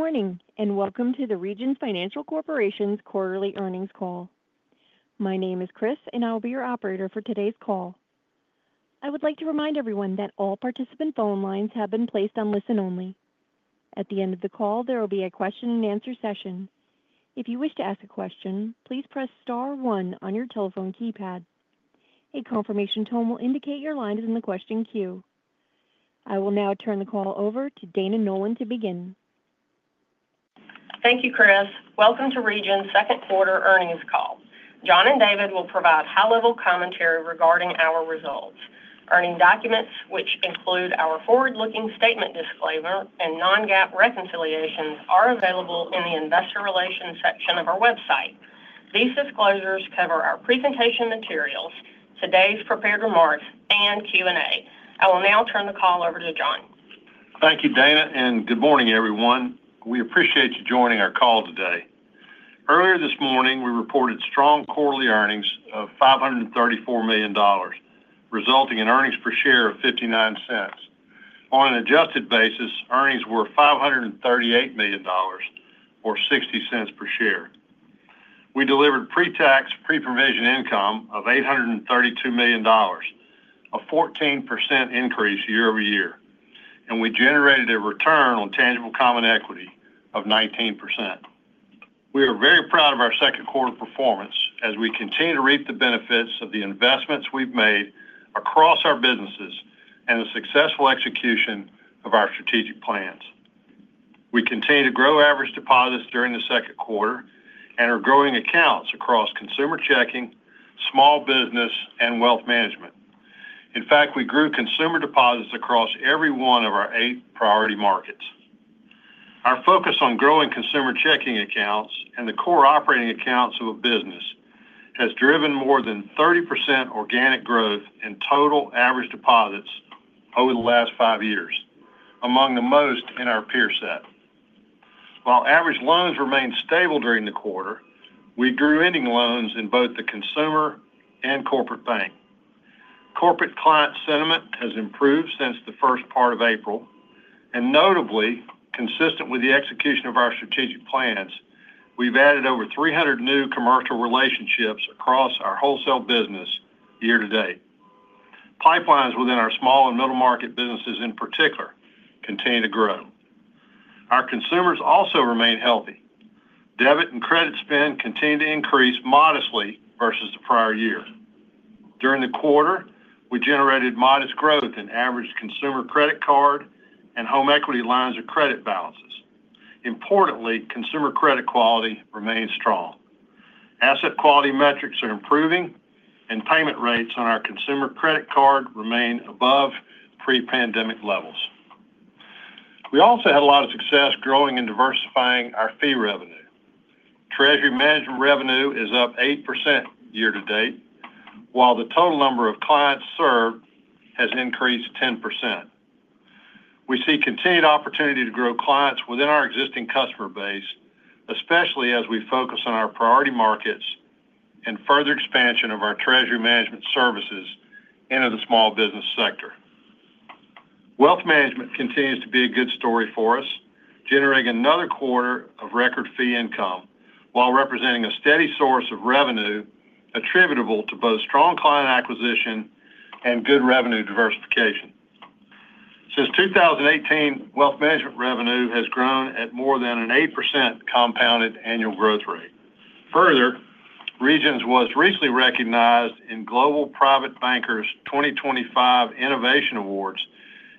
Good morning and welcome to the Regions Financial Corporation's quarterly earnings call. My name is Chris, and I'll be your operator for today's call. I would like to remind everyone that all participant phone lines have been placed on listen only. At the end of the call, there will be a question-and-answer session. If you wish to ask a question, please press star one on your telephone keypad. A confirmation tone will indicate your line is in the question queue. I will now turn the call over to Dana Nolan to begin. Thank you, Chris. Welcome to Regions' second quarter earnings call. John and David will provide high-level commentary regarding our results. Earning documents, which include our forward-looking statement disclaimer and non-GAAP reconciliations, are available in the investor relations section of our website. These disclosures cover our presentation materials, today's prepared remarks, and Q&A. I will now turn the call over to John. Thank you, Dana, and good morning, everyone. We appreciate you joining our call today. Earlier this morning, we reported strong quarterly earnings of $534 million, resulting in earnings per share of $0.59. On an adjusted basis, earnings were $538 million, or $0.60 per share. We delivered pre-tax, pre-provision income of $832 million, a 14% increase year-over-year, and we generated a return on tangible common equity of 19%. We are very proud of our second quarter performance as we continue to reap the benefits of the investments we've made across our businesses and the successful execution of our strategic plans. We continue to grow average deposits during the second quarter and are growing accounts across consumer checking, small business, and wealth management. In fact, we grew consumer deposits across every one of our eight priority markets. Our focus on growing consumer checking accounts and the core operating accounts of a business has driven more than 30% organic growth in total average deposits over the last five years, among the most in our peer set. While average loans remained stable during the quarter, we grew ending loans in both the consumer and corporate bank. Corporate client sentiment has improved since the first part of April. Notably, consistent with the execution of our strategic plans, we've added over 300 new commercial relationships across our wholesale business year to date. Pipelines within our small and middle market businesses, in particular, continue to grow. Our consumers also remain healthy. Debit and credit spend continue to increase modestly versus the prior year. During the quarter, we generated modest growth in average consumer credit card and home equity lines of credit balances. Importantly, consumer credit quality remains strong. Asset quality metrics are improving, and payment rates on our consumer credit card remain above pre-pandemic levels. We also had a lot of success growing and diversifying our fee revenue. Treasury management revenue is up 8% year to date, while the total number of clients served has increased 10%. We see continued opportunity to grow clients within our existing customer base, especially as we focus on our priority markets and further expansion of our treasury management services into the small business sector. Wealth management continues to be a good story for us, generating another quarter of record fee income while representing a steady source of revenue attributable to both strong client acquisition and good revenue diversification. Since 2018, wealth management revenue has grown at more than an 8% compounded annual growth rate. Further, Regions was recently recognized in Global Private Bankers 2025 Innovation Awards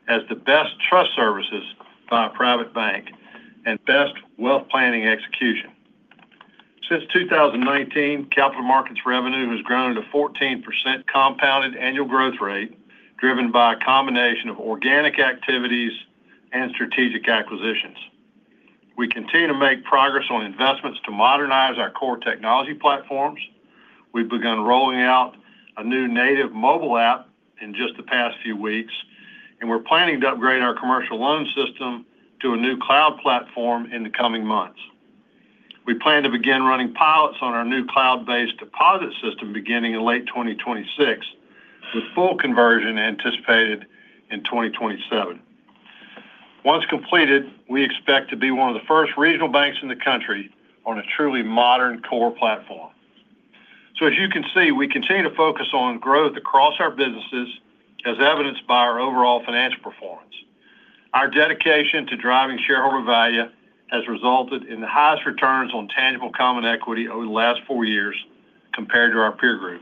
as the best trust services by a private bank and best wealth planning execution. Since 2019, capital markets revenue has grown to a 14% compounded annual growth rate, driven by a combination of organic activities and strategic acquisitions. We continue to make progress on investments to modernize our core technology platforms. We've begun rolling out a new native mobile app in just the past few weeks, and we're planning to upgrade our commercial loan system to a new cloud platform in the coming months. We plan to begin running pilots on our new cloud-based deposit system beginning in late 2026, with full conversion anticipated in 2027. Once completed, we expect to be one of the first regional banks in the country on a truly modern core platform. As you can see, we continue to focus on growth across our businesses, as evidenced by our overall financial performance. Our dedication to driving shareholder value has resulted in the highest returns on tangible common equity over the last four years compared to our peer group,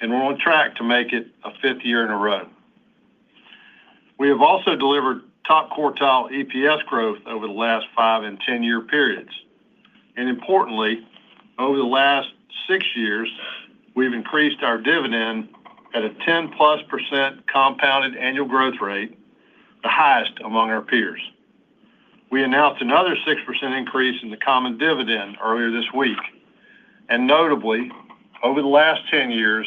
and we're on track to make it a fifth year in a row. We have also delivered top quartile EPS growth over the last five and ten-year periods. Importantly, over the last six years, we've increased our dividend at a 10% plus compounded annual growth rate, the highest among our peers. We announced another 6% increase in the common dividend earlier this week. Notably, over the last ten years,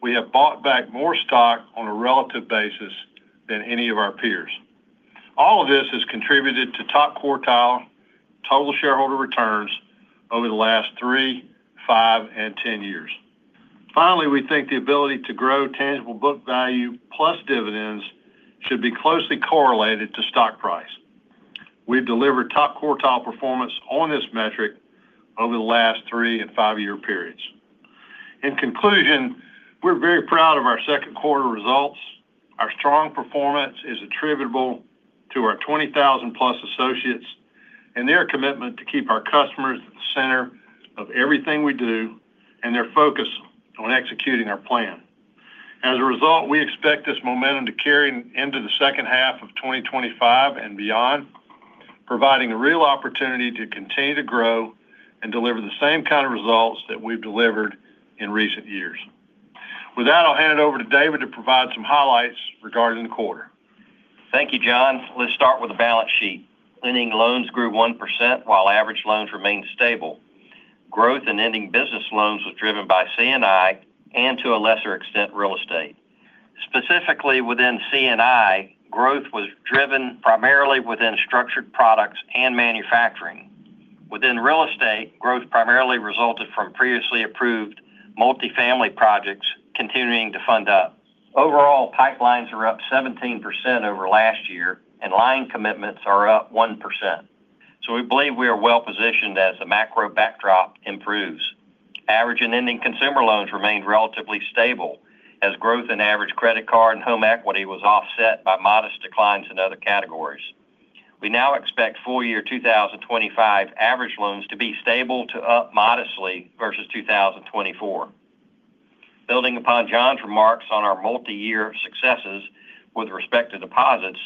we have bought back more stock on a relative basis than any of our peers. All of this has contributed to top quartile total shareholder returns over the last three, five, and ten years. Finally, we think the ability to grow tangible book value plus dividends should be closely correlated to stock price. We've delivered top quartile performance on this metric over the last three and five-year periods. In conclusion, we're very proud of our second quarter results. Our strong performance is attributable to our 20,000 plus associates and their commitment to keep our customers at the center of everything we do and their focus on executing our plan. As a result, we expect this momentum to carry into the second half of 2025 and beyond, providing a real opportunity to continue to grow and deliver the same kind of results that we've delivered in recent years. With that, I'll hand it over to David to provide some highlights regarding the quarter. Thank you, John. Let's start with the balance sheet. Ending loans grew 1% while average loans remained stable. Growth in ending business loans was driven by C&I and, to a lesser extent, real estate. Specifically, within C&I, growth was driven primarily within structured products and manufacturing. Within real estate, growth primarily resulted from previously approved multifamily projects continuing to fund up. Overall, pipelines are up 17% over last year, and line commitments are up 1%. So we believe we are well-positioned as the macro backdrop improves. Average and ending consumer loans remained relatively stable as growth in average credit card and home equity was offset by modest declines in other categories. We now expect full year 2025 average loans to be stable to up modestly versus 2024. Building upon John's remarks on our multi-year successes with respect to deposits,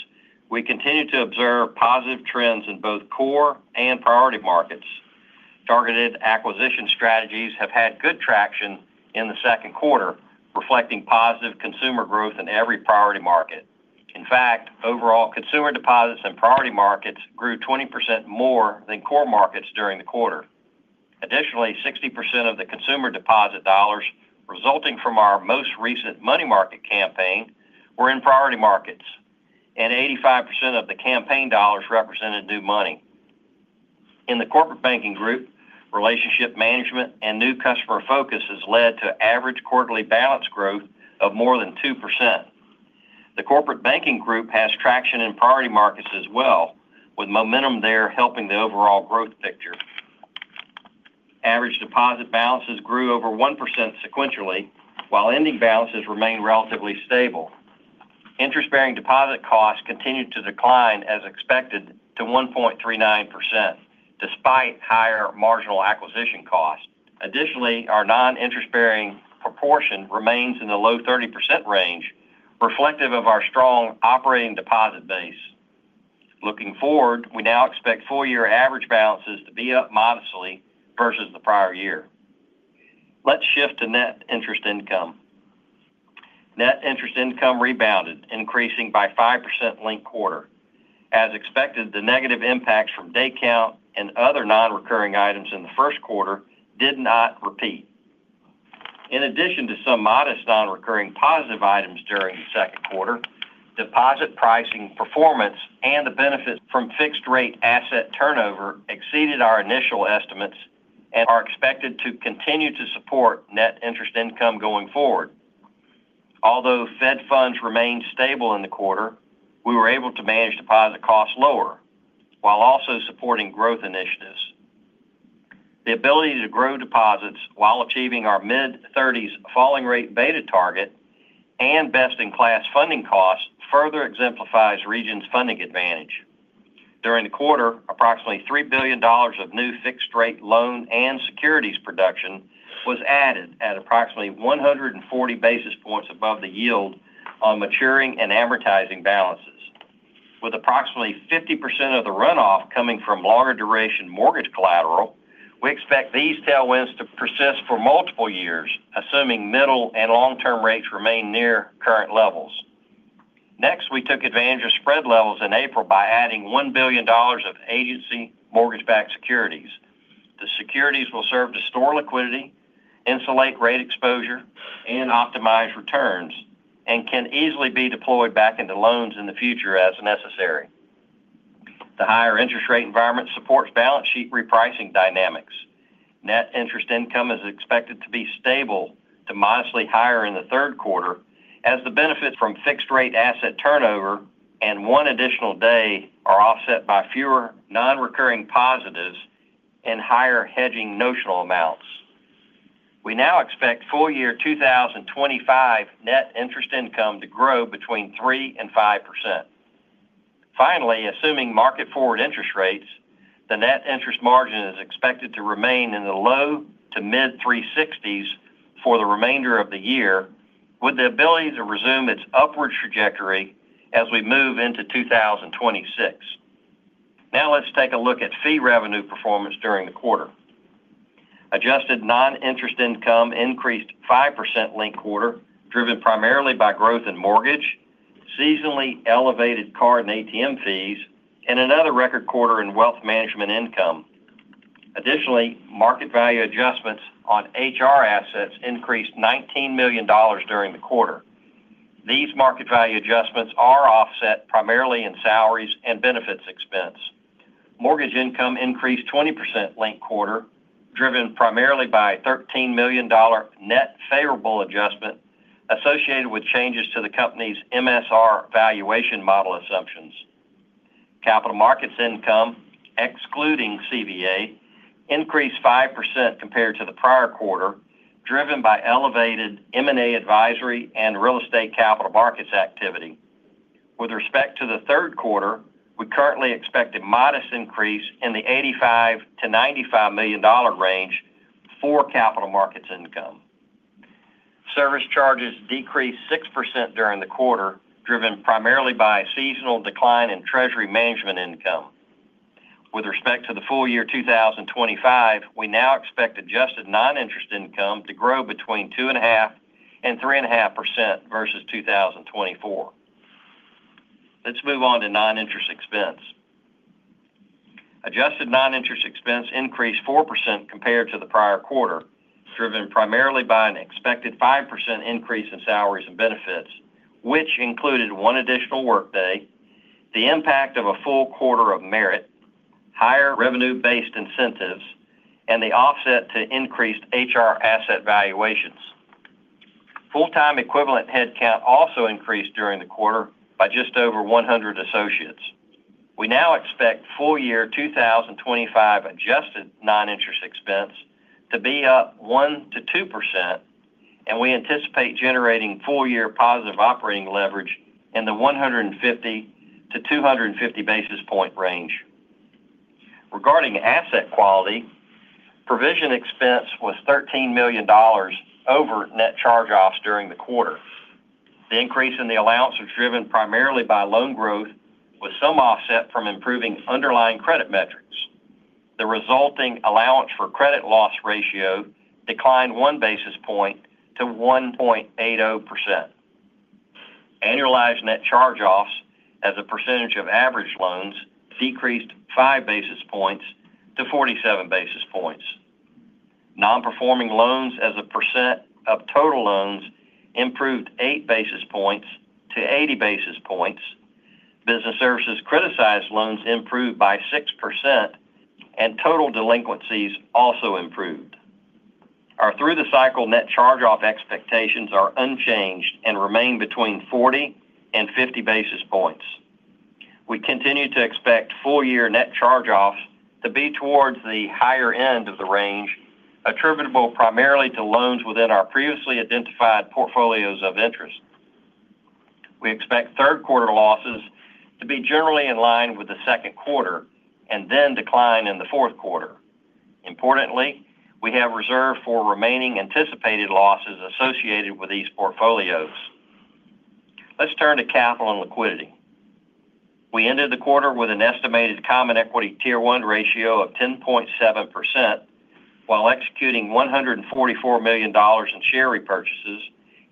we continue to observe positive trends in both core and priority markets. Targeted acquisition strategies have had good traction in the second quarter, reflecting positive consumer growth in every priority market. In fact, overall consumer deposits and priority markets grew 20% more than core markets during the quarter. Additionally, 60% of the consumer deposit dollars resulting from our most recent money market campaign were in priority markets, and 85% of the campaign dollars represented new money. In the corporate banking group, relationship management and new customer focus has led to average quarterly balance growth of more than 2%. The corporate banking group has traction in priority markets as well, with momentum there helping the overall growth picture. Average deposit balances grew over 1% sequentially, while ending balances remained relatively stable. Interest-bearing deposit costs continued to decline as expected to 1.39%, despite higher marginal acquisition costs. Additionally, our non-interest-bearing proportion remains in the low 30% range, reflective of our strong operating deposit base. Looking forward, we now expect full-year average balances to be up modestly versus the prior year. Let's shift to net interest income. Net interest income rebounded, increasing by 5% link quarter. As expected, the negative impacts from day count and other non-recurring items in the first quarter did not repeat. In addition to some modest non-recurring positive items during the second quarter, deposit pricing performance and the benefits from fixed-rate asset turnover exceeded our initial estimates and are expected to continue to support net interest income going forward. Although Fed funds remained stable in the quarter, we were able to manage deposit costs lower while also supporting growth initiatives. The ability to grow deposits while achieving our mid-30s falling rate beta target and best-in-class funding costs further exemplifies Regions' funding advantage. During the quarter, approximately $3 billion of new fixed-rate loan and securities production was added at approximately 140 basis points above the yield on maturing and amortizing balances. With approximately 50% of the runoff coming from longer-duration mortgage collateral, we expect these tailwinds to persist for multiple years, assuming middle and long-term rates remain near current levels. Next, we took advantage of spread levels in April by adding $1 billion of agency mortgage-backed securities. The securities will serve to store liquidity, insulate rate exposure, and optimize returns, and can easily be deployed back into loans in the future as necessary. The higher interest rate environment supports balance sheet repricing dynamics. Net interest income is expected to be stable to modestly higher in the third quarter, as the benefits from fixed-rate asset turnover and one additional day are offset by fewer non-recurring positives and higher hedging notional amounts. We now expect full year 2025 net interest income to grow between 3% and 5%. Finally, assuming market-forward interest rates, the net interest margin is expected to remain in the low to mid-360s for the remainder of the year, with the ability to resume its upward trajectory as we move into 2026. Now let's take a look at fee revenue performance during the quarter. Adjusted non-interest income increased 5% link quarter, driven primarily by growth in mortgage, seasonally elevated card and ATM fees, and another record quarter in wealth management income. Additionally, market value adjustments on HR assets increased $19 million during the quarter. These market value adjustments are offset primarily in salaries and benefits expense. Mortgage income increased 20% link quarter, driven primarily by a $13 million net favorable adjustment associated with changes to the company's MSR valuation model assumptions. Capital markets income, excluding CVA, increased 5% compared to the prior quarter, driven by elevated M&A advisory and real estate capital markets activity. With respect to the third quarter, we currently expect a modest increase in the $85-$95 million range for capital markets income. Service charges decreased 6% during the quarter, driven primarily by a seasonal decline in treasury management income. With respect to the full year 2025, we now expect adjusted non-interest income to grow between 2.5% and 3.5% versus 2024. Let's move on to non-interest expense. Adjusted non-interest expense increased 4% compared to the prior quarter, driven primarily by an expected 5% increase in salaries and benefits, which included one additional workday, the impact of a full quarter of merit, higher revenue-based incentives, and the offset to increased HR asset valuations. Full-time equivalent headcount also increased during the quarter by just over 100 associates. We now expect full year 2025 adjusted non-interest expense to be up 1%-2%, and we anticipate generating full-year positive operating leverage in the 150-250 basis point range. Regarding asset quality, provision expense was $13 million over net charge-offs during the quarter. The increase in the allowance was driven primarily by loan growth, with some offset from improving underlying credit metrics. The resulting allowance for credit loss ratio declined one basis point to 1.80%. Annualized net charge-offs as a percentage of average loans decreased five basis points to 47 basis points. Non-performing loans as a percent of total loans improved eight basis points to 80 basis points. Business services criticized loans improved by 6%. Total delinquencies also improved. Our through-the-cycle net charge-off expectations are unchanged and remain between 40 and 50 basis points. We continue to expect full-year net charge-offs to be towards the higher end of the range, attributable primarily to loans within our previously identified portfolios of interest. We expect third-quarter losses to be generally in line with the second quarter and then decline in the fourth quarter. Importantly, we have reserved for remaining anticipated losses associated with these portfolios. Let's turn to capital and liquidity. We ended the quarter with an estimated common equity tier-one ratio of 10.7%. While executing $144 million in share repurchases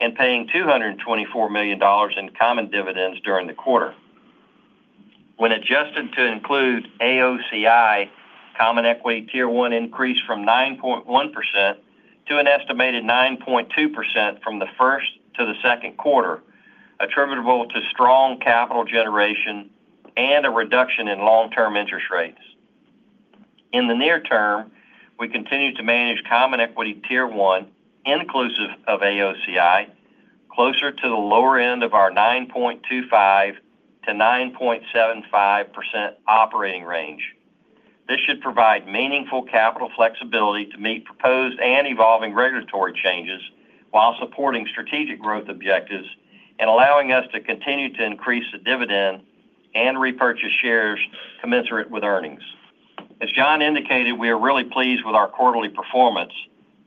and paying $224 million in common dividends during the quarter. When adjusted to include AOCI, common equity tier-one increased from 9.1% to an estimated 9.2% from the first to the second quarter, attributable to strong capital generation and a reduction in long-term interest rates. In the near term, we continue to manage common equity tier-one, inclusive of AOCI, closer to the lower end of our 9.25%-9.75% operating range. This should provide meaningful capital flexibility to meet proposed and evolving regulatory changes while supporting strategic growth objectives and allowing us to continue to increase the dividend and repurchase shares commensurate with earnings. As John indicated, we are really pleased with our quarterly performance,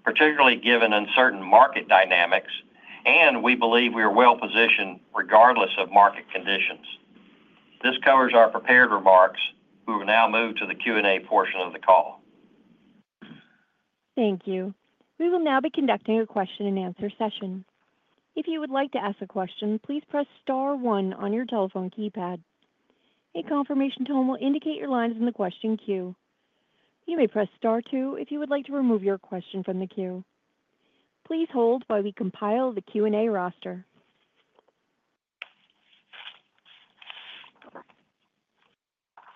particularly given uncertain market dynamics, and we believe we are well-positioned regardless of market conditions. This covers our prepared remarks. We will now move to the Q&A portion of the call. Thank you. We will now be conducting a question-and-answer session. If you would like to ask a question, please press star one on your telephone keypad. A confirmation tone will indicate your line is in the question queue. You may press star two if you would like to remove your question from the queue. Please hold while we compile the Q&A roster.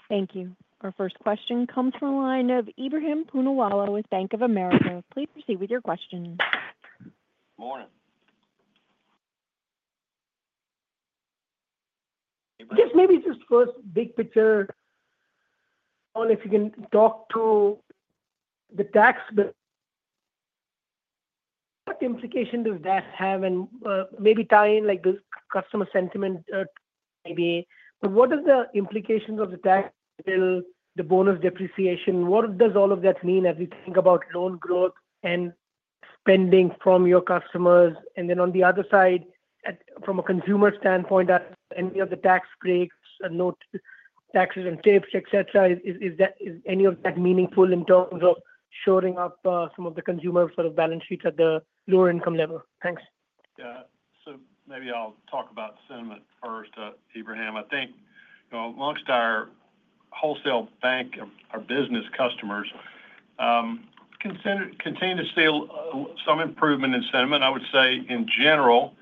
Thank you. Our first question comes from a line of Ebrahim Poonawala with Bank of America. Please proceed with your question. Morning. Yes, maybe just first big picture. If you can talk to the tax, what implication does that have and maybe tie in like the customer sentiment, maybe. What are the implications of the tax bill, the bonus depreciation? What does all of that mean as we think about loan growth and spending from your customers? On the other side, from a consumer standpoint, any of the tax breaks, no taxes, and tips, et cetera, is any of that meaningful in terms of shoring up some of the consumer sort of balance sheets at the lower income level? Thanks. Yeah. Maybe I'll talk about sentiment first, Ebrahim. I think amongst our wholesale bank, our business customers continue to see some improvement in sentiment. I would say in general,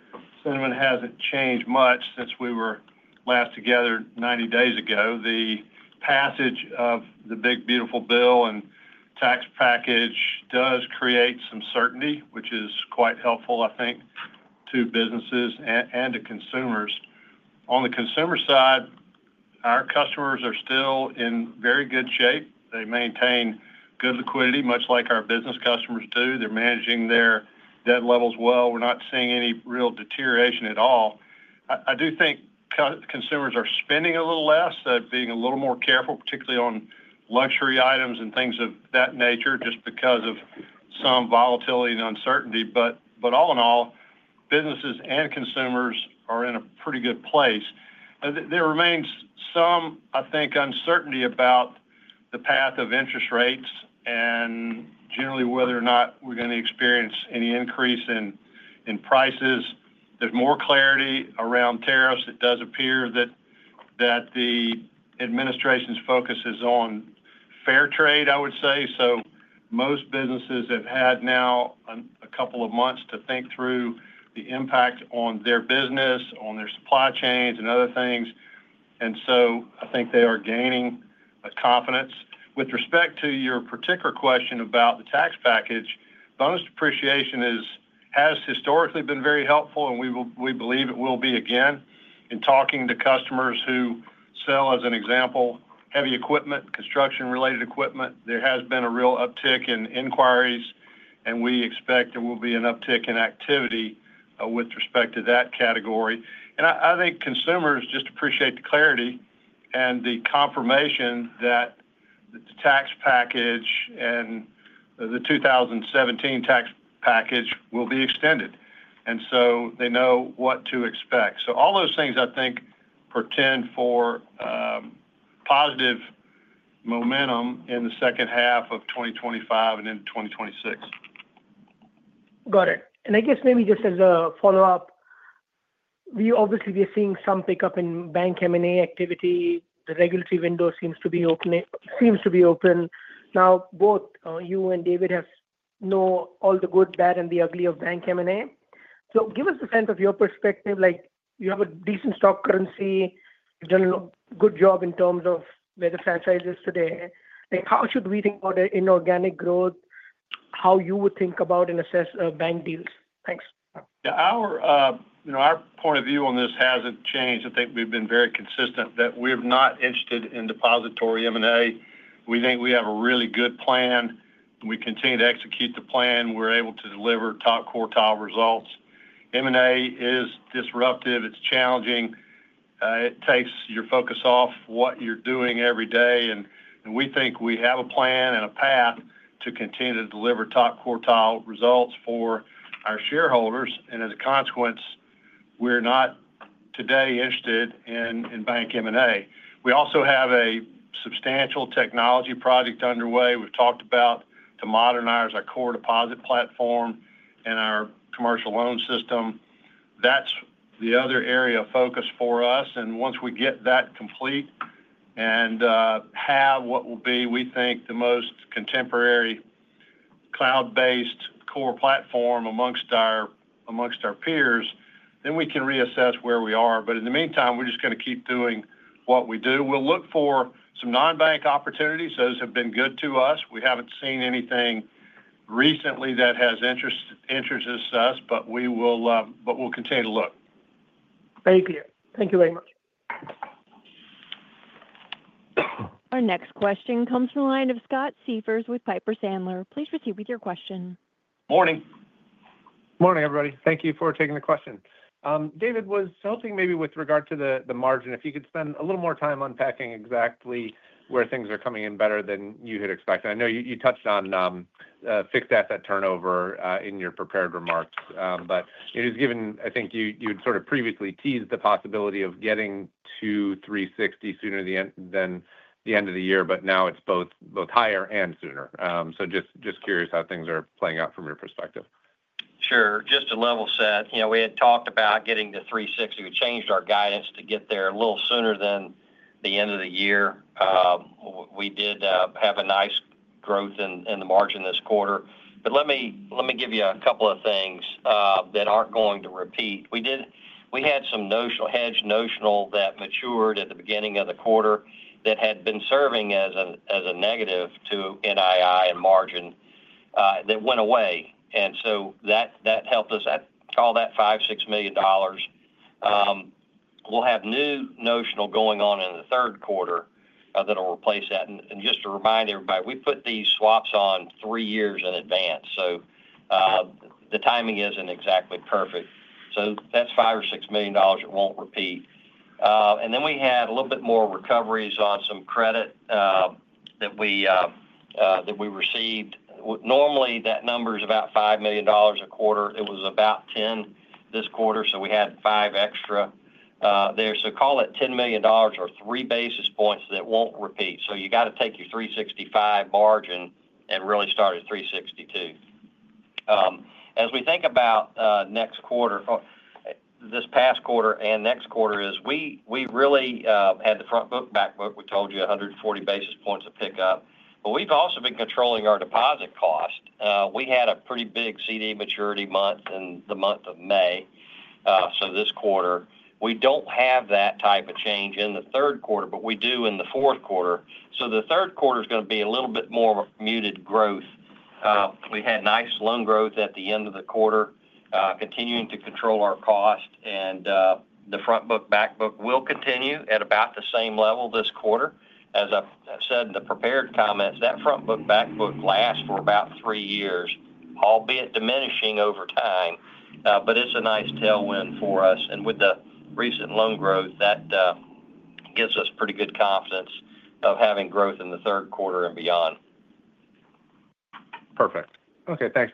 sentiment hasn't changed much since we were last together 90 days ago. The passage of the big, beautiful bill and tax package does create some certainty, which is quite helpful, I think, to businesses and to consumers. On the consumer side, our customers are still in very good shape. They maintain good liquidity, much like our business customers do. They're managing their debt levels well. We're not seeing any real deterioration at all. I do think consumers are spending a little less, being a little more careful, particularly on luxury items and things of that nature, just because of some volatility and uncertainty. All in all, businesses and consumers are in a pretty good place. There remains some, I think, uncertainty about the path of interest rates and generally whether or not we're going to experience any increase in prices. There's more clarity around tariffs. It does appear that the administration's focus is on fair trade, I would say. Most businesses have had now a couple of months to think through the impact on their business, on their supply chains, and other things. I think they are gaining confidence. With respect to your particular question about the tax package, bonus depreciation has historically been very helpful, and we believe it will be again. In talking to customers who sell, as an example, heavy equipment, construction-related equipment, there has been a real uptick in inquiries, and we expect there will be an uptick in activity with respect to that category. I think consumers just appreciate the clarity and the confirmation that the tax package and the 2017 tax package will be extended. They know what to expect. All those things, I think, portend for positive momentum in the second half of 2025 and into 2026. Got it. I guess maybe just as a follow-up. Obviously, we are seeing some pickup in bank M&A activity. The regulatory window seems to be open. Now, both you and David know all the good, bad, and the ugly of bank M&A. Give us a sense of your perspective. You have a decent stock currency, done a good job in terms of where the franchise is today. How should we think about inorganic growth, how you would think about and assess bank deals? Thanks. Our point of view on this has not changed. I think we have been very consistent that we are not interested in depository M&A. We think we have a really good plan. We continue to execute the plan. We are able to deliver top quartile results. M&A is disruptive. It is challenging. It takes your focus off what you are doing every day. We think we have a plan and a path to continue to deliver top quartile results for our shareholders. As a consequence, we are not today interested in bank M&A. We also have a substantial technology project underway. We have talked about modernizing our core deposit platform and our commercial loan system. That is the other area of focus for us. Once we get that complete and have what will be, we think, the most contemporary cloud-based core platform among our peers, we can reassess where we are. In the meantime, we are just going to keep doing what we do. We will look for some non-bank opportunities. Those have been good to us. We have not seen anything recently that has interested us, but we will continue to look. Thank you. Thank you very much. Our next question comes from a line of Scott Seifers with Piper Sandler. Please proceed with your question. Morning. Morning, everybody. Thank you for taking the question. David, was hoping maybe with regard to the margin, if you could spend a little more time unpacking exactly where things are coming in better than you had expected. I know you touched on fixed asset turnover in your prepared remarks, but it is given, I think you had sort of previously teased the possibility of getting to 360 sooner than the end of the year, but now it's both higher and sooner. Just curious how things are playing out from your perspective. Sure. Just to level set, we had talked about getting to 360. We changed our guidance to get there a little sooner than the end of the year. We did have a nice growth in the margin this quarter. Let me give you a couple of things that are not going to repeat. We had some hedge notional that matured at the beginning of the quarter that had been serving as a negative to NII and margin that went away. That helped us. I call that $5-$6 million. We will have new notional going on in the third quarter that will replace that. Just to remind everybody, we put these swaps on three years in advance. The timing is not exactly perfect. That is $5 or $6 million that will not repeat. We had a little bit more recoveries on some credit that we received. Normally, that number is about $5 million a quarter. It was about $10 million this quarter, so we had $5 million extra there. Call it $10 million or three basis points that will not repeat. You have to take your 365 margin and really start at 362. As we think about next quarter, this past quarter and next quarter, we really had the front book, back book. We told you 140 basis points of pickup. We have also been controlling our deposit cost. We had a pretty big CD maturity month in the month of May. This quarter, we do not have that type of change in the third quarter, but we do in the fourth quarter. The third quarter is going to be a little bit more muted growth. We had nice loan growth at the end of the quarter, continuing to control our cost. The front book, back book will continue at about the same level this quarter. As I said in the prepared comments, that front book, back book lasts for about three years, albeit diminishing over time. It is a nice tailwind for us. With the recent loan growth, that gives us pretty good confidence of having growth in the third quarter and beyond. Perfect. Okay. Thanks.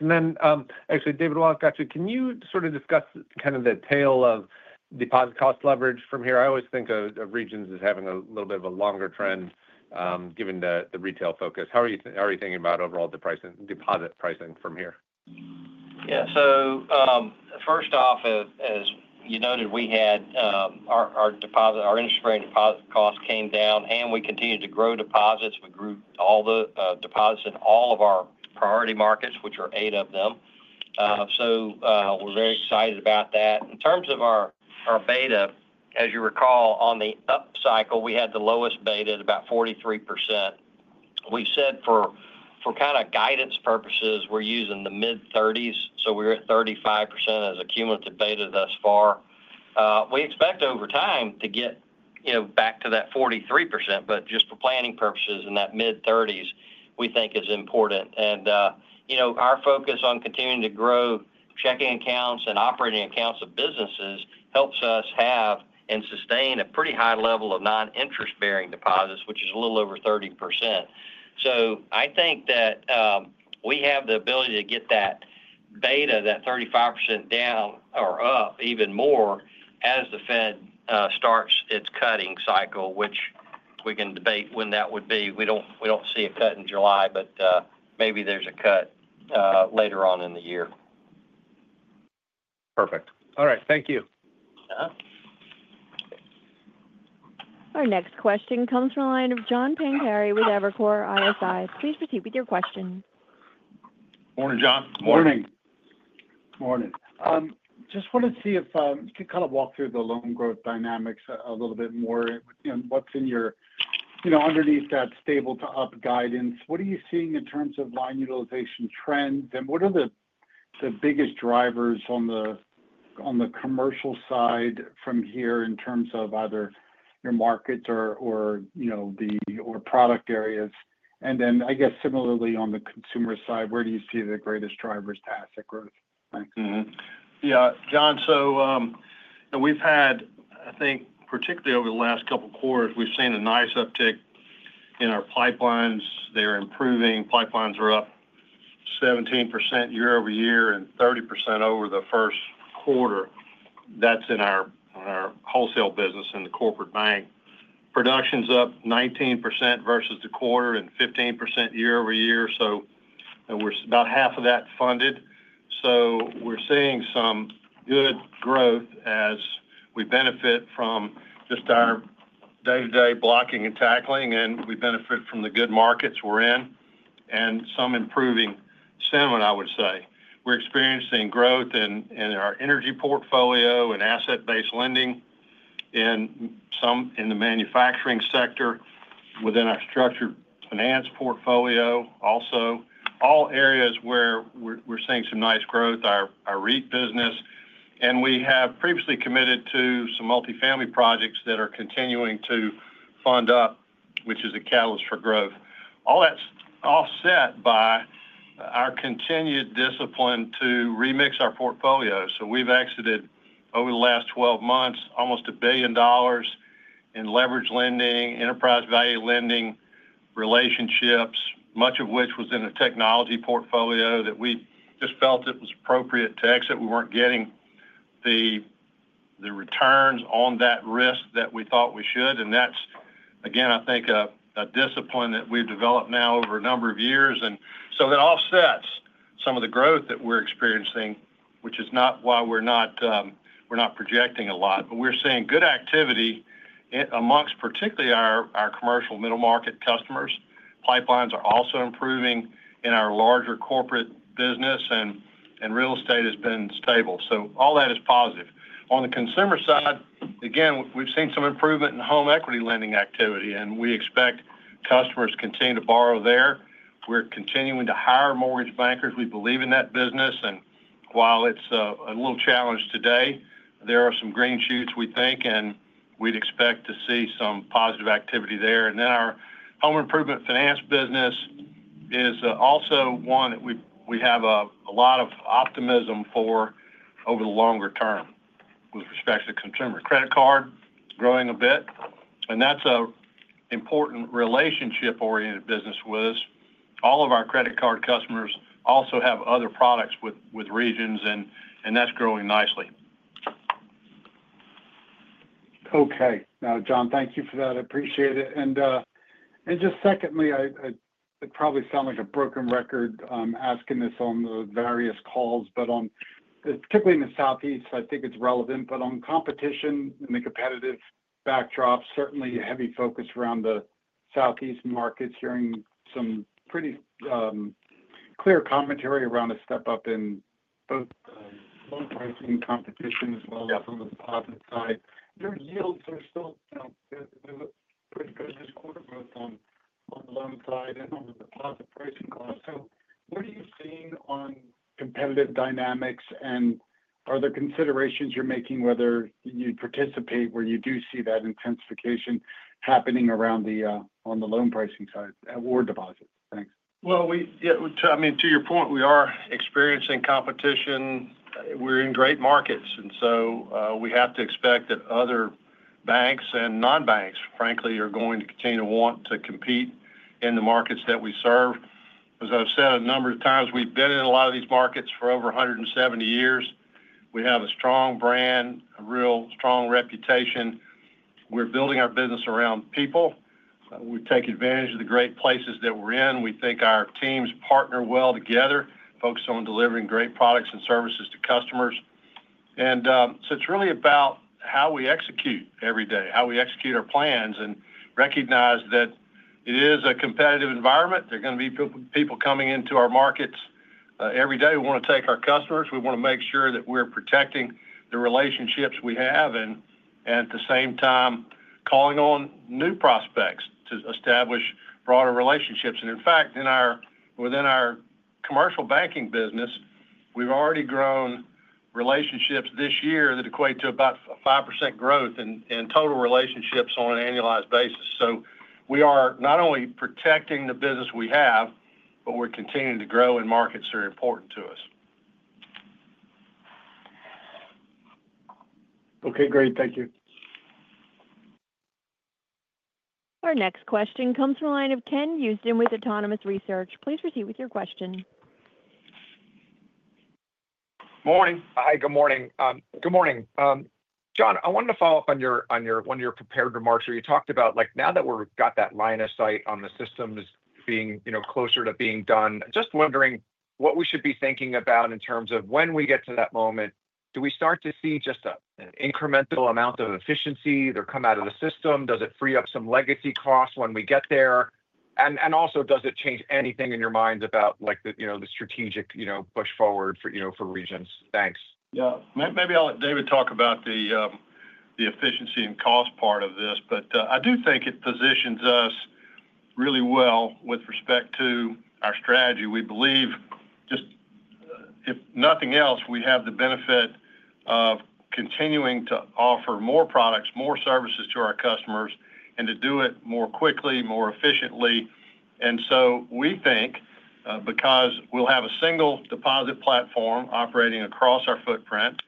Actually, David Turner, can you sort of discuss kind of the tail of deposit cost leverage from here? I always think of Regions as having a little bit of a longer trend given the retail focus. How are you thinking about overall deposit pricing from here? Yeah. First off, as you noted, we had our interest rate and deposit costs came down, and we continued to grow deposits. We grew all the deposits in all of our priority markets, which are eight of them. We are very excited about that. In terms of our beta, as you recall, on the up cycle, we had the lowest beta at about 43%. We said for kind of guidance purposes, we are using the mid-30s. We are at 35% as a cumulative beta thus far. We expect over time to get back to that 43%, but just for planning purposes in that mid-30s, we think is important. Our focus on continuing to grow checking accounts and operating accounts of businesses helps us have and sustain a pretty high level of non-interest-bearing deposits, which is a little over 30%. I think that we have the ability to get that beta, that 35%, down or up even more as the Fed starts its cutting cycle, which we can debate when that would be. We do not see a cut in July, but maybe there is a cut later on in the year. Perfect. All right. Thank you. Our next question comes from a line of John Pancari with Evercore ISI. Please proceed with your question. Morning, John. Morning. Morning. Just wanted to see if you could kind of walk through the loan growth dynamics a little bit more and what's in your underneath that stable to up guidance. What are you seeing in terms of line utilization trends? What are the biggest drivers on the commercial side from here in terms of either your markets or the product areas? I guess, similarly on the consumer side, where do you see the greatest drivers to asset growth? Yeah. John, so. We've had, I think, particularly over the last couple of quarters, we've seen a nice uptick in our pipelines. They're improving. Pipelines are up 17% year-over-year and 30% over the first quarter. That's in our wholesale business in the corporate bank. Production's up 19% versus the quarter and 15% year-over-year. We're about half of that funded. We're seeing some good growth as we benefit from just our day-to-day blocking and tackling, and we benefit from the good markets we're in and some improving sentiment, I would say. We're experiencing growth in our energy portfolio and asset-based lending. In the manufacturing sector within our structured finance portfolio. Also, all areas where we're seeing some nice growth, our REIT business. We have previously committed to some multifamily projects that are continuing to fund up, which is a catalyst for growth. All that's offset by our continued discipline to remix our portfolio. We've exited over the last 12 months almost $1 billion in leverage lending, enterprise value lending relationships, much of which was in a technology portfolio that we just felt it was appropriate to exit. We weren't getting the returns on that risk that we thought we should. That's, again, I think, a discipline that we've developed now over a number of years. That offsets some of the growth that we're experiencing, which is not why we're not projecting a lot. We're seeing good activity amongst particularly our commercial middle market customers. Pipelines are also improving in our larger corporate business, and real estate has been stable. All that is positive. On the consumer side, again, we've seen some improvement in home equity lending activity, and we expect customers continue to borrow there. We're continuing to hire mortgage bankers. We believe in that business. While it's a little challenge today, there are some green shoots, we think, and we'd expect to see some positive activity there. Our home improvement finance business is also one that we have a lot of optimism for over the longer term with respect to consumer credit card growing a bit. That's an important relationship-oriented business with us. All of our credit card customers also have other products with Regions, and that's growing nicely. Okay. Now, John, thank you for that. I appreciate it. Just secondly, it probably sounds like a broken record asking this on the various calls, but particularly in the Southeast, I think it's relevant. On competition and the competitive backdrop, certainly heavy focus around the Southeast markets, hearing some pretty clear commentary around a step up in both loan pricing competition as well as on the deposit side. Your yields are still pretty good this quarter both on the loan side and on the deposit pricing cost. What are you seeing on competitive dynamics, and are there considerations you're making whether you'd participate where you do see that intensification happening around the loan pricing side or deposits? Thanks. I mean, to your point, we are experiencing competition. We're in great markets. And so we have to expect that other banks and non-banks, frankly, are going to continue to want to compete in the markets that we serve. As I've said a number of times, we've been in a lot of these markets for over 170 years. We have a strong brand, a real strong reputation. We're building our business around people. We take advantage of the great places that we're in. We think our teams partner well together, focus on delivering great products and services to customers. And so it's really about how we execute every day, how we execute our plans, and recognize that it is a competitive environment. There are going to be people coming into our markets every day. We want to take our customers. We want to make sure that we're protecting the relationships we have and, at the same time, calling on new prospects to establish broader relationships. In fact, within our commercial banking business, we've already grown relationships this year that equate to about 5% growth in total relationships on an annualized basis. We are not only protecting the business we have, but we're continuing to grow in markets that are important to us. Okay. Great. Thank you. Our next question comes from a line of Ken Usdin with Autonomous Research. Please proceed with your question. Morning. Hi. Good morning. Good morning. John, I wanted to follow up on one of your prepared remarks. You talked about now that we've got that line of sight on the systems being closer to being done, just wondering what we should be thinking about in terms of when we get to that moment, do we start to see just an incremental amount of efficiency that come out of the system? Does it free up some legacy costs when we get there? Also, does it change anything in your minds about the strategic push forward for Regions? Thanks. Yeah. Maybe I'll let David talk about the efficiency and cost part of this. I do think it positions us really well with respect to our strategy. We believe, just, if nothing else, we have the benefit of continuing to offer more products, more services to our customers, and to do it more quickly, more efficiently. We think, because we'll have a single deposit platform operating across our footprint,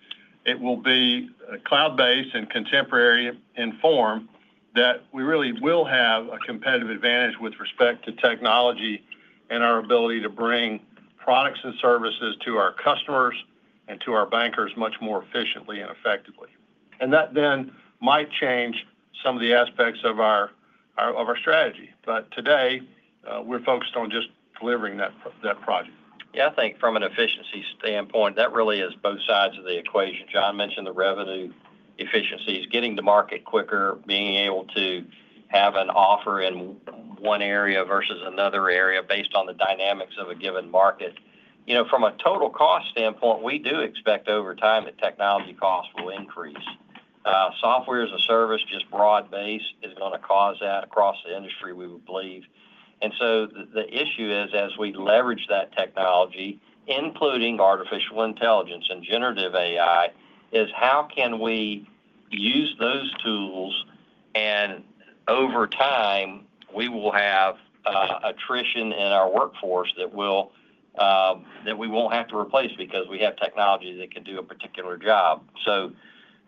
it will be cloud-based and contemporary in form, that we really will have a competitive advantage with respect to technology and our ability to bring products and services to our customers and to our bankers much more efficiently and effectively. That then might change some of the aspects of our strategy. Today, we're focused on just delivering that project. Yeah. I think from an efficiency standpoint, that really is both sides of the equation. John mentioned the revenue efficiencies, getting to market quicker, being able to have an offer in one area versus another area based on the dynamics of a given market. From a total cost standpoint, we do expect over time that technology costs will increase. Software as a service, just broad-based, is going to cause that across the industry, we believe. The issue is, as we leverage that technology, including artificial intelligence and generative AI, is how can we use those tools? Over time, we will have attrition in our workforce that we will not have to replace because we have technology that can do a particular job.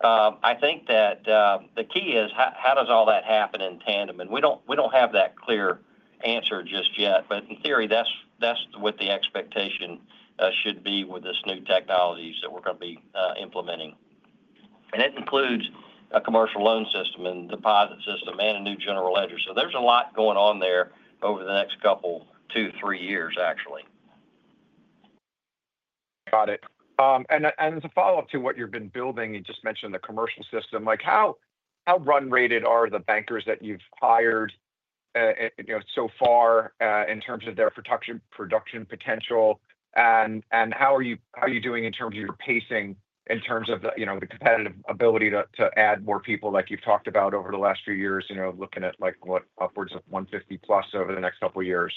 I think that the key is, how does all that happen in tandem? We do not have that clear answer just yet. In theory, that is what the expectation should be with this new technology that we are going to be implementing. That includes a commercial loan system and deposit system and a new general ledger. There is a lot going on there over the next couple of two, three years, actually. Got it. As a follow-up to what you've been building, you just mentioned the commercial system. How run rated are the bankers that you've hired so far in terms of their production potential? How are you doing in terms of your pacing in terms of the competitive ability to add more people like you've talked about over the last few years, looking at what, upwards of 150-plus over the next couple of years?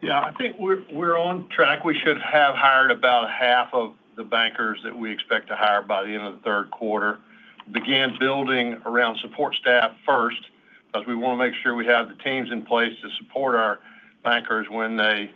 Yeah, I think we're on track. We should have hired about half of the bankers that we expect to hire by the end of the third quarter. Begin building around support staff first because we want to make sure we have the teams in place to support our bankers when they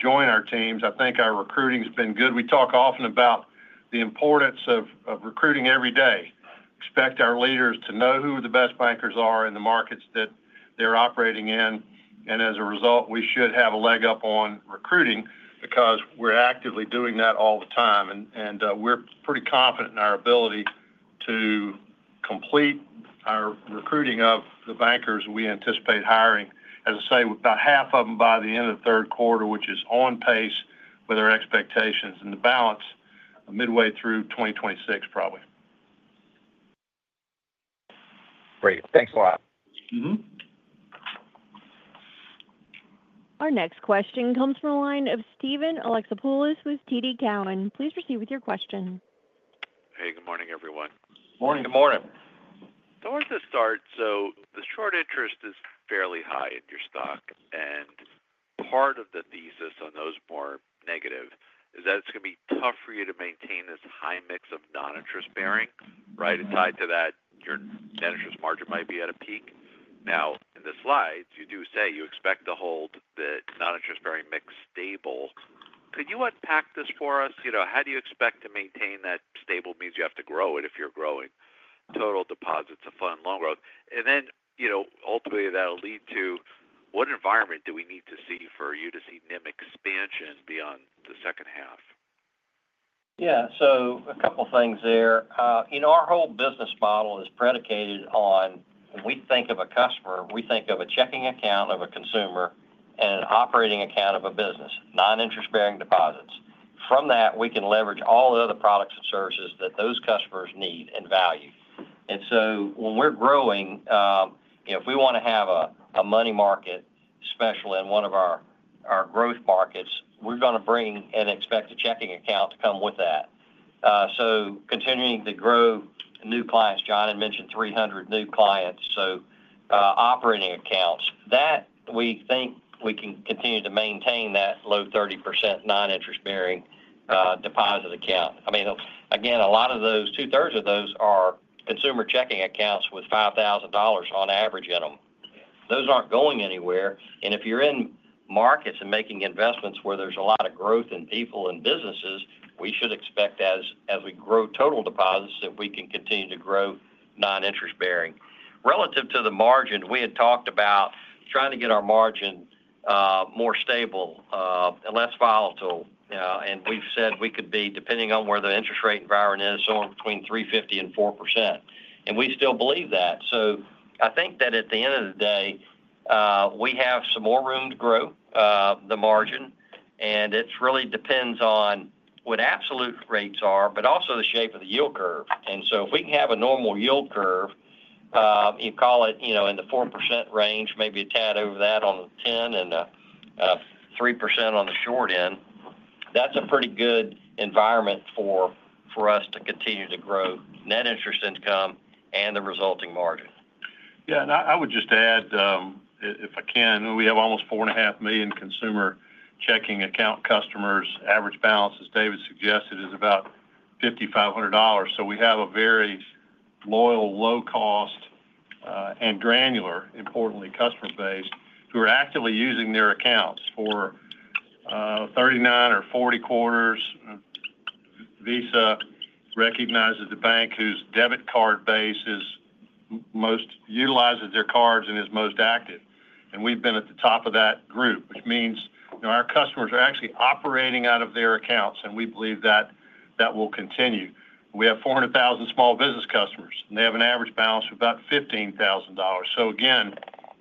join our teams. I think our recruiting has been good. We talk often about the importance of recruiting every day. Expect our leaders to know who the best bankers are in the markets that they're operating in. As a result, we should have a leg up on recruiting because we're actively doing that all the time. We're pretty confident in our ability to complete our recruiting of the bankers we anticipate hiring. As I say, about half of them by the end of the third quarter, which is on pace with our expectations and the balance midway through 2026, probably. Great. Thanks a lot. Our next question comes from a line of Steven Alexopoulos with TD Cowen. Please proceed with your question. Hey. Good morning, everyone. Morning. Good morning. I wanted to start. The short interest is fairly high in your stock. Part of the thesis on those more negative is that it's going to be tough for you to maintain this high mix of non-interest bearing, right? Tied to that, your net interest margin might be at a peak. In the slides, you do say you expect to hold the non-interest bearing mix stable. Could you unpack this for us? How do you expect to maintain that? Stable means you have to grow it if you're growing total deposits to fund loan growth. Ultimately, that'll lead to what environment do we need to see for you to see NIM expansion beyond the second half? Yeah. So a couple of things there. Our whole business model is predicated on when we think of a customer, we think of a checking account of a consumer and an operating account of a business, non-interest bearing deposits. From that, we can leverage all the other products and services that those customers need and value. When we're growing, if we want to have a money market, especially in one of our growth markets, we're going to bring an expected checking account to come with that. Continuing to grow new clients, John had mentioned 300 new clients. Operating accounts, we think we can continue to maintain that low 30% non-interest bearing deposit account. I mean, again, a lot of those, two-thirds of those are consumer checking accounts with $5,000 on average in them. Those aren't going anywhere. If you're in markets and making investments where there's a lot of growth in people and businesses, we should expect as we grow total deposits that we can continue to grow non-interest bearing. Relative to the margin, we had talked about trying to get our margin more stable and less volatile. We've said we could be, depending on where the interest rate environment is, somewhere between 3.50%-4%. We still believe that. I think that at the end of the day, we have some more room to grow the margin. It really depends on what absolute rates are, but also the shape of the yield curve. If we can have a normal yield curve, you call it in the 4% range, maybe a tad over that on the 10% and 3% on the short end, that's a pretty good environment for us to continue to grow net interest income and the resulting margin. Yeah. I would just add, if I can, we have almost four and a half million consumer checking account customers. Average balance, as David suggested, is about $5,500. We have a very loyal, low-cost, and granular, importantly, customer base who are actively using their accounts for 39 or 40 quarters. Visa recognizes the bank whose debit card base utilizes their cards and is most active, and we've been at the top of that group, which means our customers are actually operating out of their accounts. We believe that will continue. We have 400,000 small business customers, and they have an average balance of about $15,000. Again,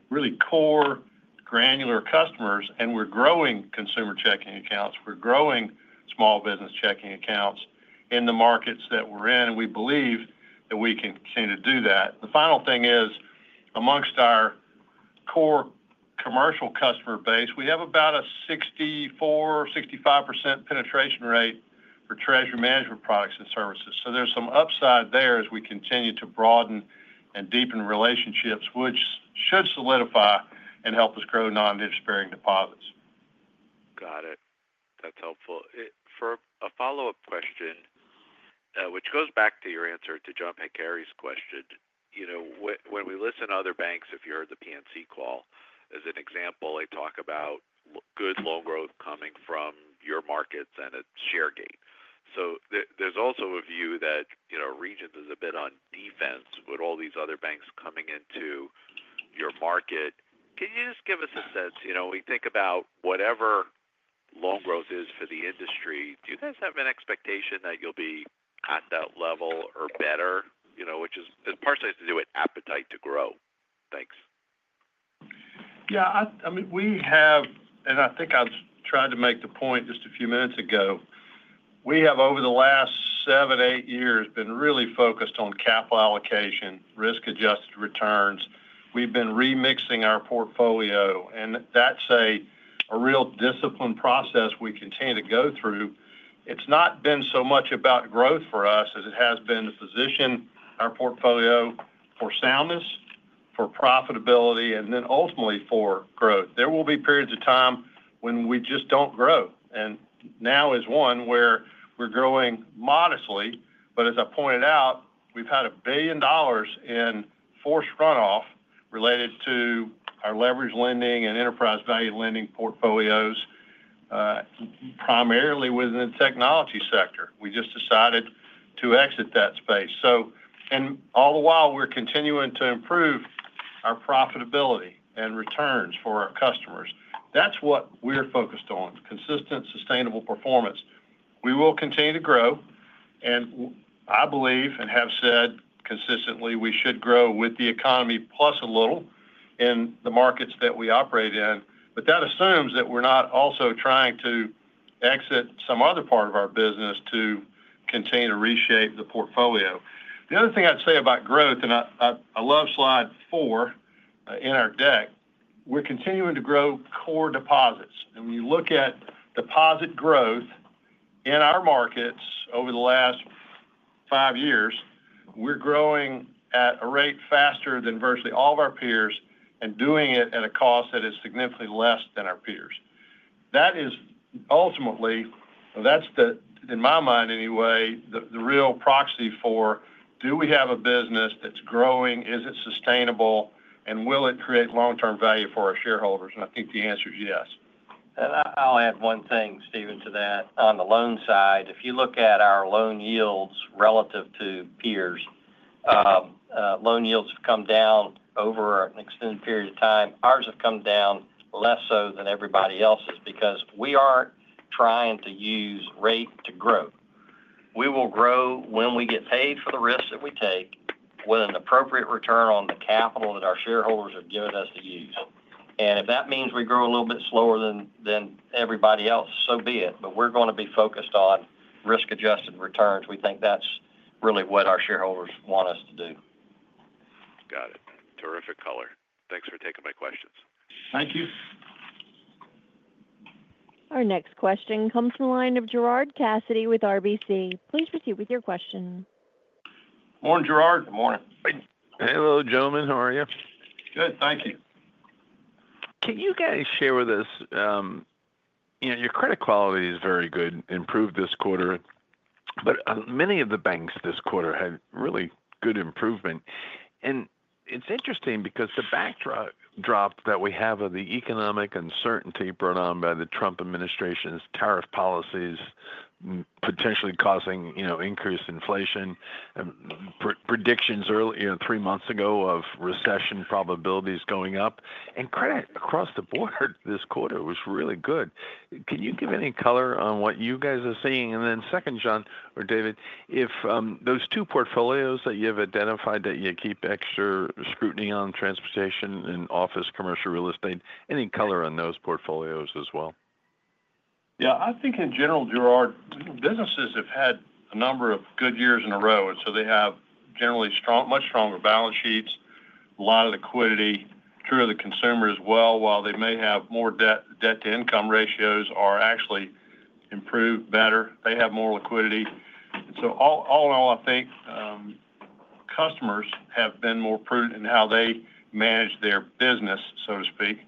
really core granular customers, and we're growing consumer checking accounts. We're growing small business checking accounts in the markets that we're in. We believe that we can continue to do that. The final thing is, amongst our core commercial customer base, we have about a 64%-65% penetration rate for treasury management products and services. There's some upside there as we continue to broaden and deepen relationships, which should solidify and help us grow non-interest bearing deposits. Got it. That's helpful. For a follow-up question, which goes back to your answer to John Pancari's question. When we listen to other banks, if you hear the PNC call, as an example, they talk about good loan growth coming from your markets and a share gain. There is also a view that Regions is a bit on defense with all these other banks coming into your market. Can you just give us a sense, when we think about whatever loan growth is for the industry, do you guys have an expectation that you'll be at that level or better, which is partially to do with appetite to grow? Thanks. Yeah. I mean, we have, and I think I've tried to make the point just a few minutes ago, we have over the last seven, eight years been really focused on capital allocation, risk-adjusted returns. We've been remixing our portfolio. And that's a real discipline process we continue to go through. It's not been so much about growth for us as it has been to position our portfolio for soundness, for profitability, and then ultimately for growth. There will be periods of time when we just don't grow. Now is one where we're growing modestly. As I pointed out, we've had $1 billion in forced runoff related to our leverage lending and enterprise value lending portfolios, primarily within the technology sector. We just decided to exit that space. All the while, we're continuing to improve our profitability and returns for our customers. That's what we're focused on: consistent, sustainable performance. We will continue to grow. I believe and have said consistently we should grow with the economy, plus a little in the markets that we operate in. That assumes that we're not also trying to exit some other part of our business to continue to reshape the portfolio. The other thing I'd say about growth, and I love slide four. In our deck, we're continuing to grow core deposits. When you look at deposit growth in our markets over the last five years, we're growing at a rate faster than virtually all of our peers and doing it at a cost that is significantly less than our peers. That is ultimately, in my mind anyway, the real proxy for do we have a business that's growing? Is it sustainable? Will it create long-term value for our shareholders? I think the answer is yes. I'll add one thing, Steven, to that. On the loan side, if you look at our loan yields relative to peers. Loan yields have come down over an extended period of time. Ours have come down less so than everybody else's because we aren't trying to use rate to grow. We will grow when we get paid for the risks that we take with an appropriate return on the capital that our shareholders have given us to use. If that means we grow a little bit slower than everybody else, so be it. We're going to be focused on risk-adjusted returns. We think that's really what our shareholders want us to do. Got it. Terrific color. Thanks for taking my questions. Thank you. Our next question comes from a line of Gerard Cassidy with RBC. Please proceed with your question. Morning, Gerard. Morning. Hello, gentlemen. How are you? Good. Thank you. Can you guys share with us. Your credit quality is very good, improved this quarter, but many of the banks this quarter had really good improvement. It is interesting because the backdrop that we have of the economic uncertainty brought on by the Trump administration's tariff policies, potentially causing increased inflation. Predictions three months ago of recession probabilities going up. Credit across the board this quarter was really good. Can you give any color on what you guys are seeing? And then second, John or David, if those two portfolios that you have identified that you keep extra scrutiny on, transportation and office commercial real estate, any color on those portfolios as well? Yeah. I think in general, Gerard, businesses have had a number of good years in a row. They have generally much stronger balance sheets, a lot of liquidity through the consumer as well. While they may have more debt-to-income, ratios are actually improved, better, they have more liquidity. All in all, I think customers have been more prudent in how they manage their business, so to speak.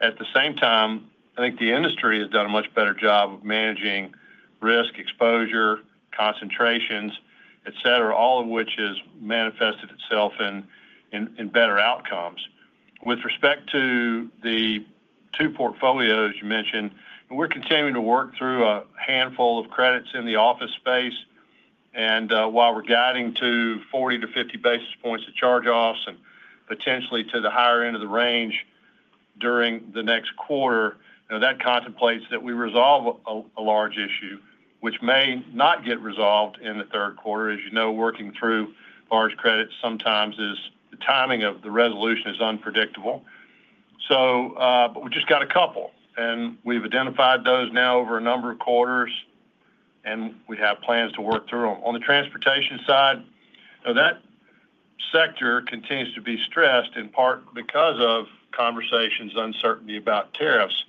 At the same time, I think the industry has done a much better job of managing risk, exposure, concentrations, etc., all of which has manifested itself in better outcomes. With respect to the two portfolios you mentioned, we are continuing to work through a handful of credits in the office space. While we are guiding to 40-50 basis points of charge-offs and potentially to the higher end of the range during the next quarter, that contemplates that we resolve a large issue, which may not get resolved in the third quarter. As you know, working through large credits, sometimes the timing of the resolution is unpredictable. We just have a couple, and we have identified those now over a number of quarters. We have plans to work through them. On the transportation side, that sector continues to be stressed in part because of conversations, uncertainty about tariffs.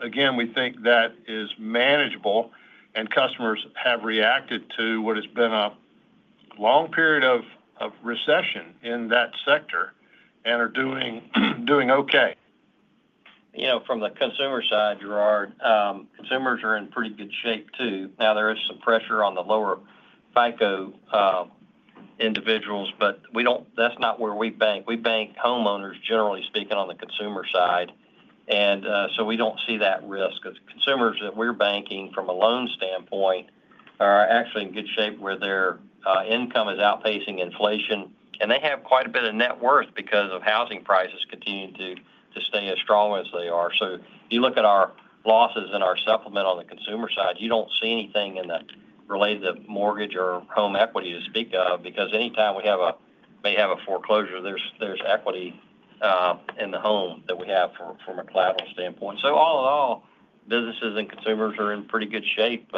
Again, we think that is manageable, and customers have reacted to what has been a long period of recession in that sector and are doing okay. From the consumer side, Gerard, consumers are in pretty good shape too. Now, there is some pressure on the lower FICO individuals, but that's not where we bank. We bank homeowners, generally speaking, on the consumer side. We don't see that risk. Consumers that we're banking from a loan standpoint are actually in good shape where their income is outpacing inflation. They have quite a bit of net worth because of housing prices continuing to stay as strong as they are. You look at our losses and our supplement on the consumer side, you don't see anything related to mortgage or home equity to speak of because anytime we may have a foreclosure, there's equity in the home that we have from a collateral standpoint. All in all, businesses and consumers are in pretty good shape.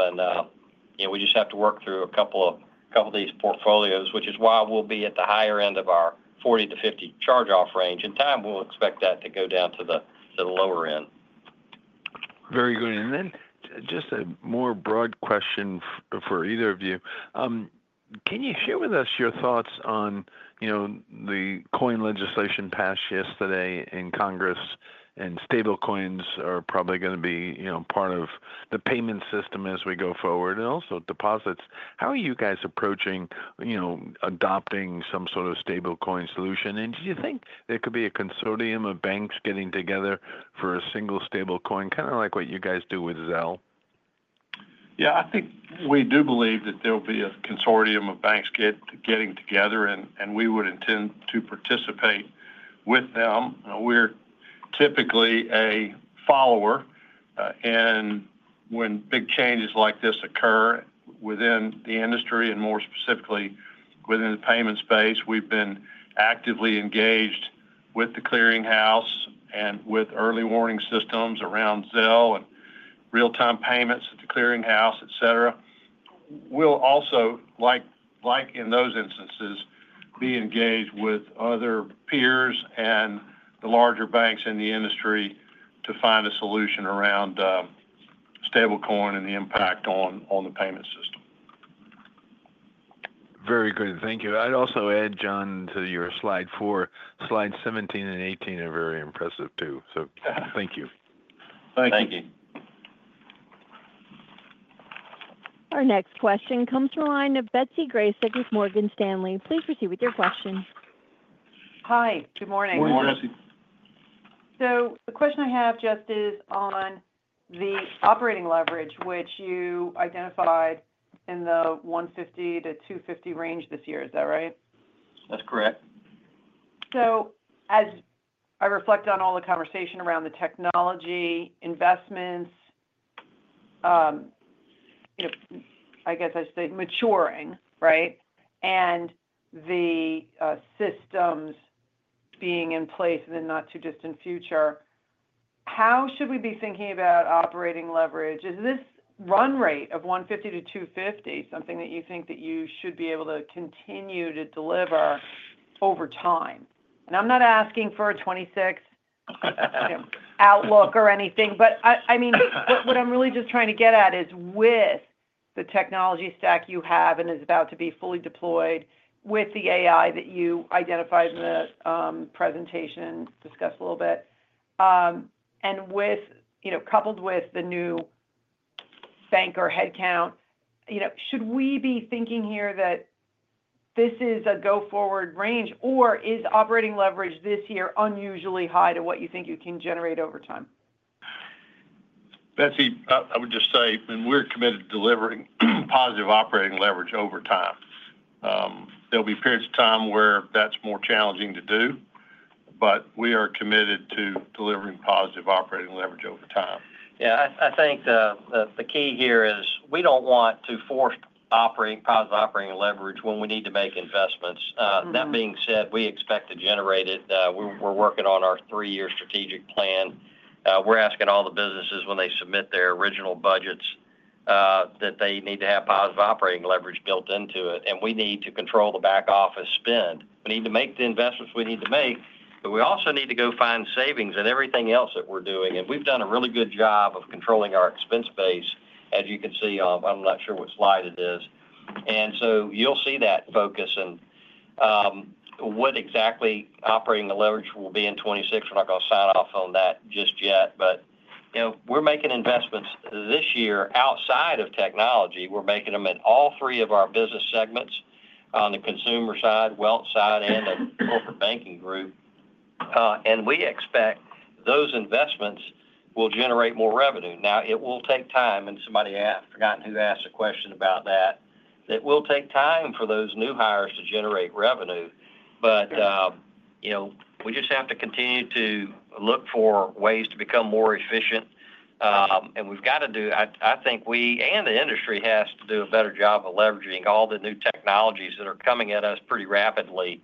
We just have to work through a couple of these portfolios, which is why we'll be at the higher end of our 40-50 charge-off range. In time, we'll expect that to go down to the lower end. Very good. And then just a more broad question for either of you. Can you share with us your thoughts on the coin legislation passed yesterday in Congress? And stablecoins are probably going to be part of the payment system as we go forward. Also, deposits, how are you guys approaching adopting some sort of stablecoin solution? Do you think there could be a consortium of banks getting together for a single stablecoin, kind of like what you guys do with Zelle? Yeah. I think we do believe that there will be a consortium of banks getting together, and we would intend to participate with them. We're typically a follower, and when big changes like this occur within the industry, and more specifically within the payment space, we've been actively engaged with the clearinghouse and with Early Warning Systems around Zelle and real-time payments at the clearinghouse, etc. We'll also, like in those instances, be engaged with other peers and the larger banks in the industry to find a solution around stablecoin and the impact on the payment system. Very good. Thank you. I'd also add, John, to your slide four, slides 17 and 18 are very impressive too. So thank you. Thank you. Thank you. Our next question comes from a line of Betsy Graseck with Morgan Stanley. Please proceed with your question. Hi. Good morning. Morning, Betsy. The question I have just is on the operating leverage, which you identified in the 150-250 range this year. Is that right? That's correct. As I reflect on all the conversation around the technology investments, I guess I should say maturing, right, and the systems being in place in the not-too-distant future. How should we be thinking about operating leverage? Is this run rate of 150-250 something that you think that you should be able to continue to deliver over time? I'm not asking for a 2026 outlook or anything. I mean, what I'm really just trying to get at is with the technology stack you have and is about to be fully deployed with the AI that you identified in the presentation, discussed a little bit, and coupled with the new bank or headcount, should we be thinking here that this is a go-forward range, or is operating leverage this year unusually high to what you think you can generate over time? Betsy, I would just say, I mean, we're committed to delivering positive operating leverage over time. There will be periods of time where that's more challenging to do. We are committed to delivering positive operating leverage over time. Yeah. I think the key here is we do not want to force positive operating leverage when we need to make investments. That being said, we expect to generate it. We are working on our three-year strategic plan. We are asking all the businesses, when they submit their original budgets, that they need to have positive operating leverage built into it. We need to control the back office spend. We need to make the investments we need to make. We also need to go find savings in everything else that we are doing. We have done a really good job of controlling our expense base, as you can see on—I am not sure what slide it is. You will see that focus. What exactly operating leverage will be in 2026, we are not going to sign off on that just yet. We are making investments this year outside of technology. We are making them in all three of our business segments on the consumer side, wealth side, and the corporate banking group. We expect those investments will generate more revenue. It will take time. Somebody—I have forgotten who—asked a question about that. It will take time for those new hires to generate revenue. We just have to continue to look for ways to become more efficient. We have got to do—I think we and the industry have to do a better job of leveraging all the new technologies that are coming at us pretty rapidly.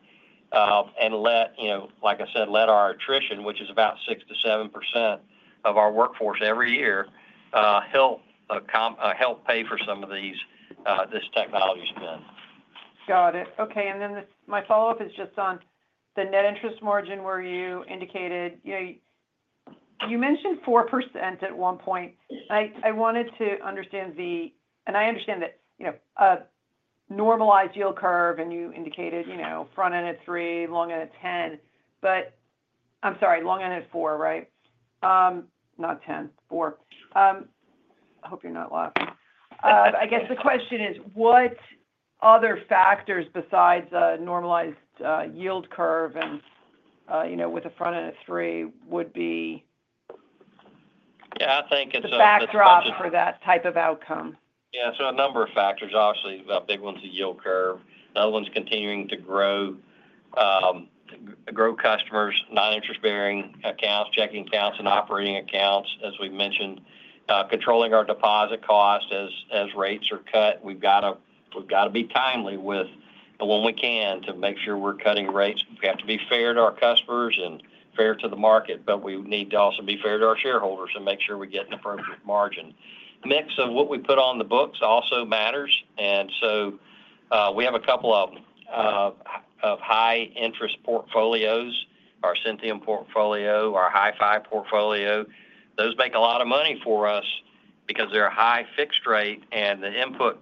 Like I said, let our attrition, which is about 6%-7% of our workforce every year, help pay for some of this technology spend. Got it. Okay. My follow-up is just on the net interest margin where you indicated. You mentioned 4% at one point. I wanted to understand the—and I understand that. A normalized yield curve, and you indicated front end at 3%, long end at 10%. I'm sorry, long end at 4%, right? Not 10%, 4%. I hope you're not laughing. I guess the question is, what other factors besides a normalized yield curve and with a front end at three would be. Yeah. I think it's a. The backdrop for that type of outcome? Yeah. So a number of factors, obviously. A big one's the yield curve. Another one's continuing to grow customers, non-interest-bearing accounts, checking accounts, and operating accounts, as we mentioned. Controlling our deposit costs as rates are cut. We've got to be timely with the one we can to make sure we're cutting rates. We have to be fair to our customers and fair to the market. We need to also be fair to our shareholders and make sure we get an appropriate margin. Mix of what we put on the books also matters. We have a couple of high-interest portfolios: our Cynthium portfolio, our Hi-Fi portfolio. Those make a lot of money for us because they're a high fixed rate. The input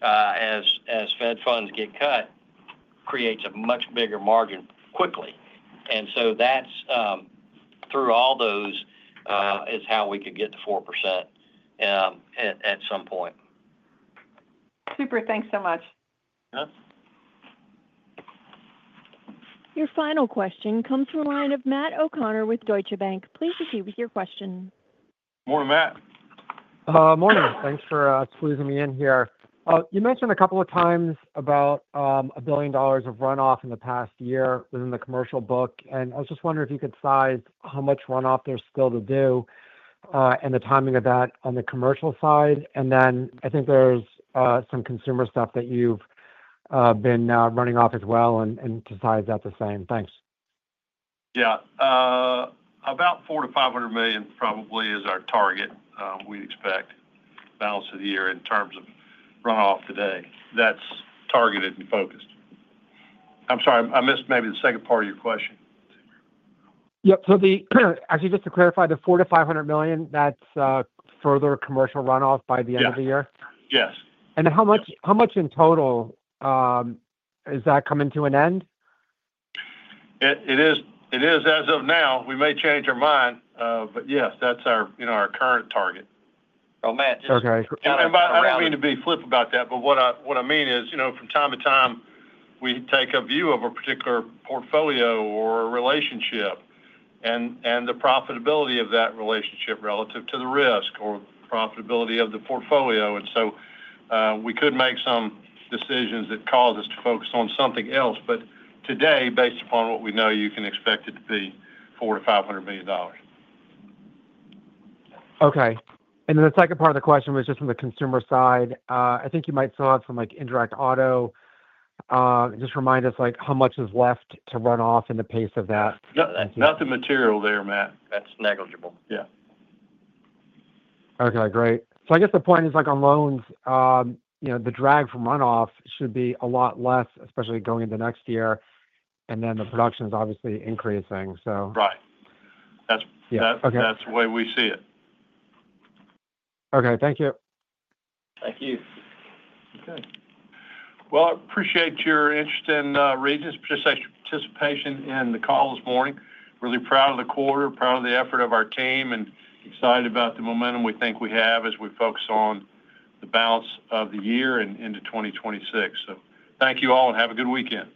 cost as Fed funds get cut creates a much bigger margin quickly. Through all those, is how we could get to 4% at some point. Super. Thanks so much. You're welcome. Your final question comes from a line of Matt O'Connor with Deutsche Bank. Please proceed with your question. Morning, Matt. Morning. Thanks for squeezing me in here. You mentioned a couple of times about a billion dollars of runoff in the past year within the commercial book. I was just wondering if you could size how much runoff there's still to do, and the timing of that on the commercial side. I think there's some consumer stuff that you've been running off as well, and to size that the same. Thanks. Yeah. About $400 million-$500 million probably is our target we expect. Balance of the year in terms of runoff today. That's targeted and focused. I'm sorry. I missed maybe the second part of your question. Yep. So actually, just to clarify, the $400 million-$500 million, that's further commercial runoff by the end of the year? Yes. Yes. How much in total? Is that coming to an end? It is as of now. We may change our mind. Yes, that's our current target. Oh, Matt. Okay. I do not mean to be flip about that. What I mean is, from time to time, we take a view of a particular portfolio or a relationship. The profitability of that relationship relative to the risk or profitability of the portfolio. We could make some decisions that cause us to focus on something else. Today, based upon what we know, you can expect it to be $400 million-$500 million. Okay. The second part of the question was just from the consumer side. I think you might fill out from indirect auto. Just remind us how much is left to run off and the pace of that. Nothing material there, Matt. That's negligible. Yeah. Okay. Great. I guess the point is, on loans, the drag from runoff should be a lot less, especially going into next year. The production is obviously increasing, so. Right. That's the way we see it. Okay. Thank you. Thank you. Okay. I appreciate your interest in raising participation in the call this morning. Really proud of the quarter, proud of the effort of our team, and excited about the momentum we think we have as we focus on the balance of the year and into 2026. Thank you all, and have a good weekend.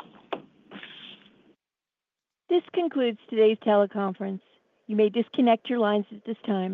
This concludes today's teleconference. You may disconnect your lines at this time.